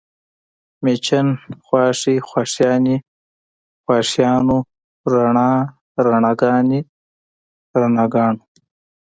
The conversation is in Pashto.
مېچن، خواښې، خواښیانې، خواښیانو، رڼا، رڼاګانې، رڼاګانو